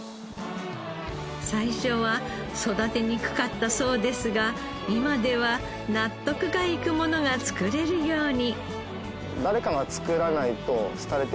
最初は育てにくかったそうですが今では納得がいくものが作れるように。